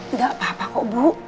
tidak apa apa kok bu